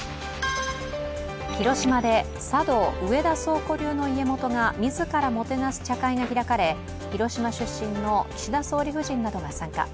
広島で茶道・上田宗箇流の家元が自らもてなす茶会が開かれ広島出身の岸田総理夫人などが参加。